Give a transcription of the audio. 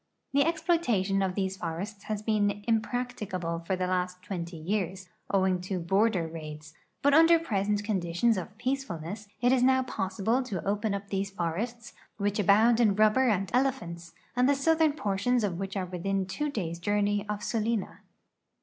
The exploitation of these forests has been impracticable for the last twenty years, owing to border raids, but under present conditions of peacefulness it is now possible to open up these forests, which abound in rubber and elephants, and the southern portions of which are within two days' journey of Sulina.